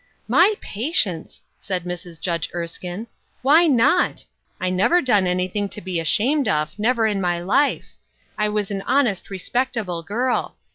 *' My patience !" said Mrs. Judge Erskinec "Why not? I never done anything to be ashamed of — i^ever in my life. I was an honest, respectable girl.